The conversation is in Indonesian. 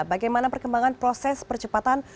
bagaimana perkembangan proses percepatan